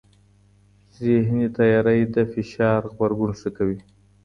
ذهني تیاری د فشار غبرګون ښه کوي.